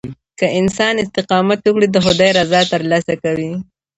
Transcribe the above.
که انسان استقامت وکړي، د خداي رضا ترلاسه کوي.